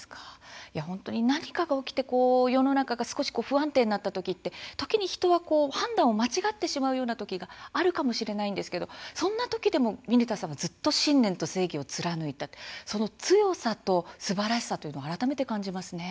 本当に何かが起きて世の中が少し不安定になったときって時に人は判断を間違ってしまうときがあるかもしれないんですけどそんなときでもミネタさんはずっと信念と正義を貫いたその強さとすばらしさというのを改めて感じますね。